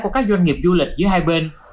của các doanh nghiệp du lịch giữa hai bên